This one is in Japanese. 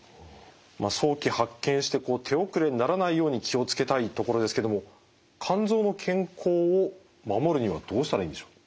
まあ早期発見してこう手遅れにならないように気を付けたいところですけども肝臓の健康を守るにはどうしたらいいんでしょう？